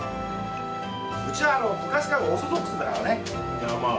うちは昔からオーソドックスだからね。